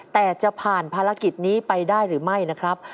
แต่จะผ่านภารกิจนี้ไปได้หรือไม่นะครับ